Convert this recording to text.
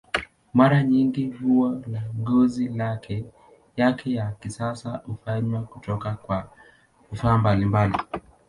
Mara nyingi huwa la ngozi, lakini yale ya kisasa hufanywa kutoka kwa vifaa mbalimbali.